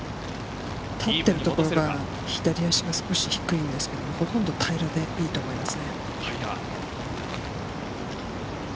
立っているところが左足がちょっと低いんですけど、ほとんど平らでいけると思います。